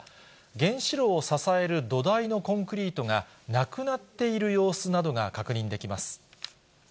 原子炉を支える土台のコンクリートがなくなっている様子などが確認できます。